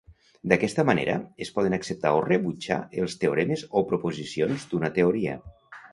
D'aquesta manera, es poden acceptar o rebutjar els teoremes o proposicions d'una teoria.